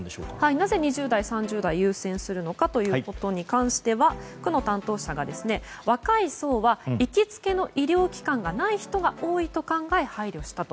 なぜ２０代、３０代を優先するのかに関しては区の担当者が若い層は行きつけの医療機関がない人が多いと考え配慮したと。